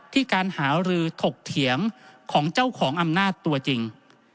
การหารือถกเถียงของเจ้าของอำนาจตัวจริง